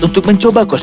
untuk mencoba kondisi